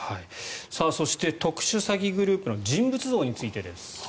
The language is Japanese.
そして、特殊詐欺グループの人物像についてです。